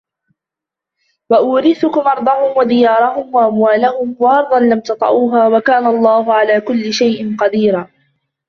وأورثكم أرضهم وديارهم وأموالهم وأرضا لم تطئوها وكان الله على كل شيء قديرا